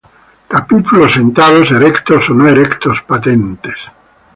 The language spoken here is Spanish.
Capítulos sentados, erectos o erecto-patentes.